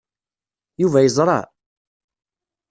Yuba yeẓra?